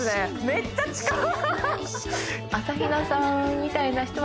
めっちゃ近っ！